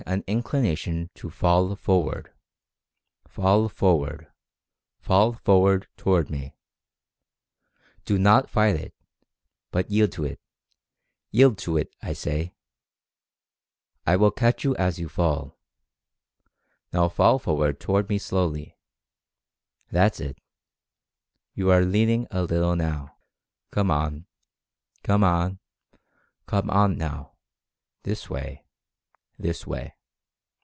ioo Mental Fascination an inclination to fall forward — fall forward — FALL FORWARD toward me ! Do not fight it, but yield to it — yield to it, I say ! I will catch you as you fall. Now fall forward toward me slowly. That's it, you are leaning a little now. Come on, come on, come on now, this way, this way.